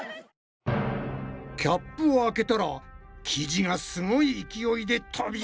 キャップを開けたら生地がすごい勢いで飛び出してきたぞ！